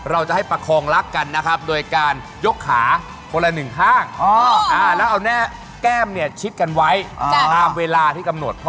เอาแก้มชิดกันไว้ตามเวลาที่กำหนด